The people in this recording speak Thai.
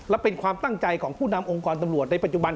และเป็นความตั้งใจของผู้นำองค์กรตำรวจในปัจจุบัน